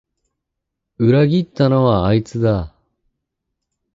裏切ったのはあいつだ